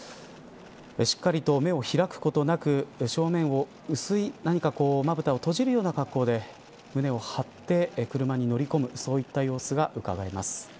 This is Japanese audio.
しっかりと目を開くことなく正面を薄い何かこうまぶたを閉じるような格好で胸を張って車に乗り込むそういった様子がうかがえます。